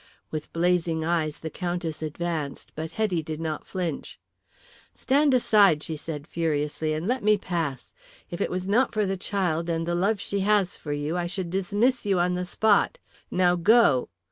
With blazing eyes the Countess advanced, but Hetty did not flinch. "Stand aside," she said furiously, "and let me pass. If it was not for the child and the love she has for you I should dismiss you on the spot. Now go."